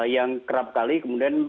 yang kerap kali kemudian